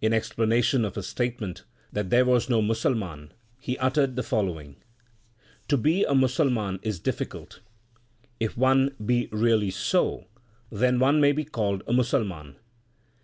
In explanation of his statement that there was no Musalman he uttered the follow ing : To be 1 a Musalman is difficult ; if one be really so, then one may be called a Musalman.